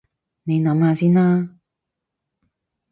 你諗下先啦